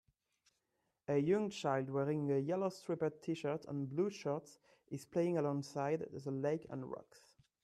A young child wearing a yellow striped tshirt and blue shorts is playing along side the lake and rocks